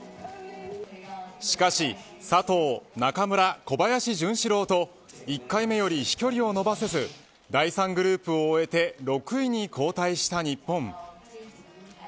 しかし佐藤、中村、小林潤志郎と１回目より飛距離を伸ばせず第３グループを終えて６位に後退した日本。